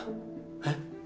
えっ？